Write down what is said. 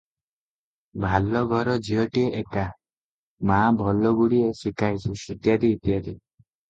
ଭାଲ ଘର ଝିଅଟିଏ ଏକା, ମା ଭଲ ଗୁଡ଼ିଏ ଶିଖାଇଛି, ଇତ୍ୟାଦି ଇତ୍ୟାଦି ।